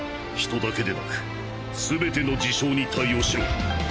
人だけでなくすべての事象に対応しろ。